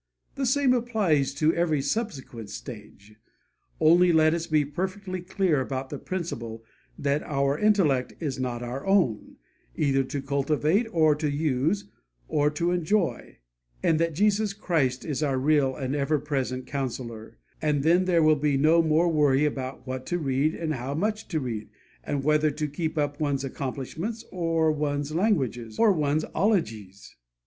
The same applies to every subsequent stage. Only let us be perfectly clear about the principle that our intellect is not our own, either to cultivate, or to use, or to enjoy, and that Jesus Christ is our real and ever present Counsellor, and then there will be no more worry about what to read and how much to read, and whether to keep up one's accomplishments, or one's languages, or one's '_ologies'!